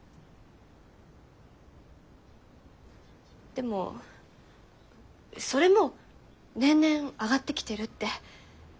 でもそれも年々上がってきてるって。